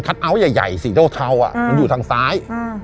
คัดเอาท์ใหญ่ใหญ่สีดอกเทาอ่ะอืมมันอยู่ทางซ้ายอืม